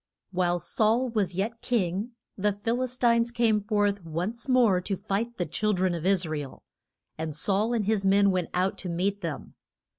WHILE Saul was yet king, the Phil is tines came forth once more to fight the chil dren of Is ra el. And Saul and his men went out to meet them.